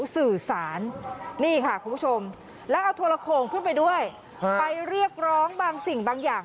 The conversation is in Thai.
เดี๋ยวอีกหน่อยเดี๋ยวลงกันได้นอนที่นักศูนย์ดีไหมนะ